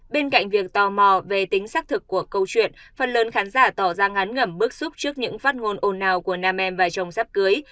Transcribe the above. bên cạnh việc tò mò về tính xác thực của câu chuyện phần lớn khán giả tỏ ra ngán ngẩm bức xúc trước những phát ngôn ồn ào của nam em và chồng sắp cưới